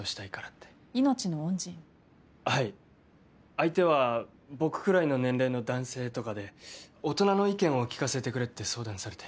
相手は僕くらいの年齢の男性とかで大人の意見を聞かせてくれって相談されて。